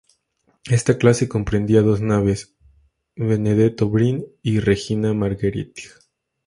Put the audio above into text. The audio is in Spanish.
Esta clase comprendía dos naves: "Benedetto Brin" y "Regina Margherita".